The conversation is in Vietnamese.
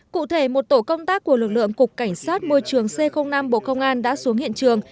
cụ thể một tổ công tác của lực lượng cục cảnh sát môi trường c năm bộ công an đã xuống hiện trường